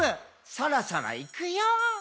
「そろそろいくよー」